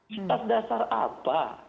setas dasar apa